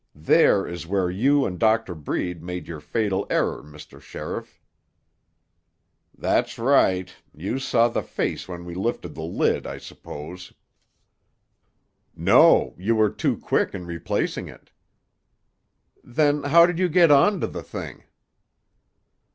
There is where you and Doctor Breed made your fatal error, Mr. Sheriff." "That's right. You saw the face when we lifted the lid, I s'pose." "No. You were too quick in replacing it." "Then how did you get on to the thing?"